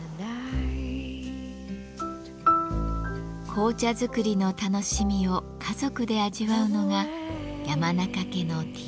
紅茶作りの楽しみを家族で味わうのが山中家のティータイムです。